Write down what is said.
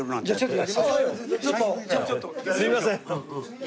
すいません。